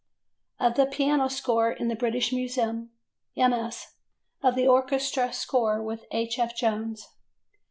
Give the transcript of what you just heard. of the piano score in the British Museum. MS. of the orchestral score with H. F. Jones.